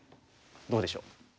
どうでしょう？